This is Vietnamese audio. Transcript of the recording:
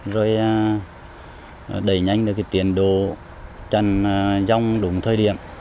rồi đẩy nhanh được tiến độ tràn dòng đúng thời điểm